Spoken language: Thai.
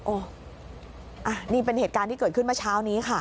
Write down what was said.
นี่เป็นเหตุการณ์ที่เกิดขึ้นเมื่อเช้านี้ค่ะ